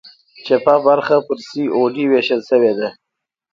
چپه برخه په سي او ډي ویشل شوې ده.